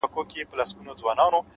لوړ همت له ستونزو لوړ الوت کوي،